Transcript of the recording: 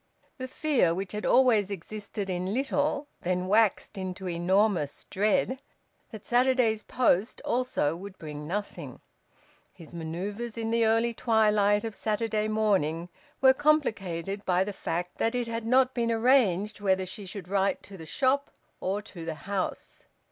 The fear, which had always existed in little, then waxed into enormous dread, that Saturday's post also would bring nothing. His manoeuvres in the early twilight of Saturday morning were complicated by the fact that it had not been arranged whether she should write to the shop or to the house.